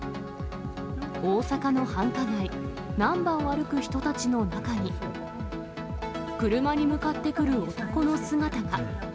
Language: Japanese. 大阪の繁華街、なんばを歩く人たちの中に、車に向かってくる男の姿が。